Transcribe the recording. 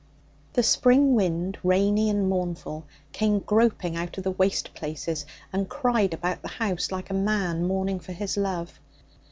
The spring wind, rainy and mournful, came groping out of the waste places and cried about the house like a man mourning for his love.